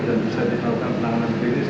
dan bisa diperlukan penanganan klinis